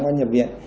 nó nhập viện